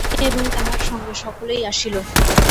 তিনি এবং তাঁহার সঙ্গে সকলেই আসিল।